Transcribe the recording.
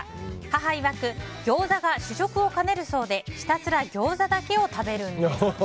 母いわく、ギョーザが主食をかねるそうでひたすらギョーザだけを食べるんです。